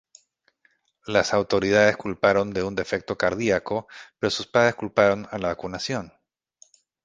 Las autoridades culparon de un defecto cardíaco, pero sus padres culparon a la vacunación.